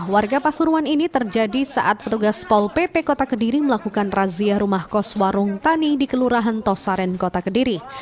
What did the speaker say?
warga pasuruan ini terjadi saat petugas pol pp kota kediri melakukan razia rumah kos warung tani di kelurahan tosaren kota kediri